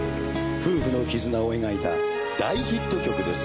夫婦の絆を描いた大ヒット曲です。